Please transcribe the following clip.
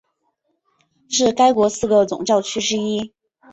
是该国四个总教区之一。